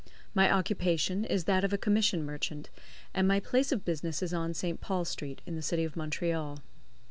My occupation is that of a commission merchant, and my place of business is on St. Paul Street, in the City of Montreal.